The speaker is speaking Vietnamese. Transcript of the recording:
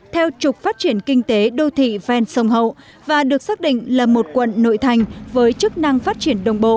theo trục phát triển kinh tế đô thị ven sông hậu và được xác định là một quận nội thành với chức năng phát triển đồng bộ